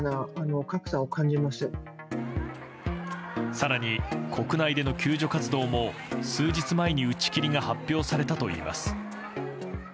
更に、国内での救助活動も数日前に打ち切りが発表されたといいます。